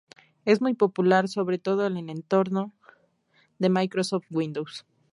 Es muy popular, sobre todo en el entorno de Microsoft Windows.